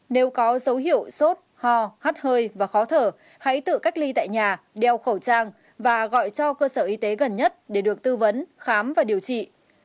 nếu có dấu hiệu sốt ho hát hơi và khó thở hãy tự cách ly tại nhà đeo khẩu trang và gọi cho cơ sở y tế gần nhất để được tư vấn khám và điều trị